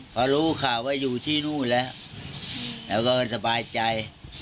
พอรู้ข่าวว่าอยู่ที่นู่นแล้วแล้วก็สบายใจ